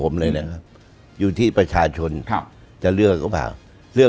คือ